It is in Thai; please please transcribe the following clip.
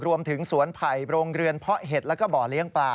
รวมถึงสวนไผ่โรงเรือนเพาะเห็ดแล้วก็บ่อเลี้ยงปลา